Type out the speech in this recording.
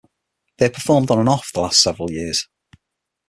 They have performed on and off the last several years.